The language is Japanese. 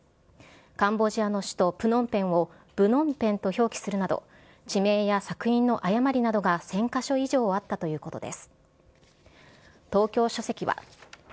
カンボジアの首都、プノンペンをブノンペンと表記するなど、地名や索引の誤りなどが１０００か所以上あったということです。